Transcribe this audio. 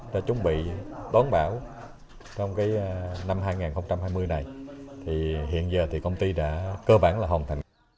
đã chuẩn bị đón bão trong năm hai nghìn hai mươi này hiện giờ công ty đã cơ bản là hồng thành